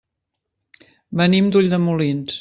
Venim d'Ulldemolins.